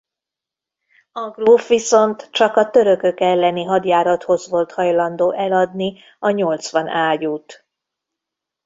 A gróf viszont csak a törökök elleni hadjárathoz volt hajlandó eladni a nyolcvan ágyút.